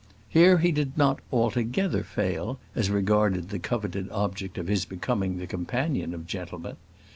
Here he did not altogether fail as regarded the coveted object of his becoming the companion of gentlemen.